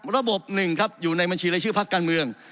ระบบหนึ่งครับอยู่ในบัญชีรายชื่อพักการเมือง